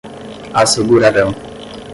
assegurarão